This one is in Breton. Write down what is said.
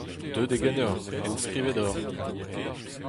Deuet eo ganeoc'h : enskrivet oc'h !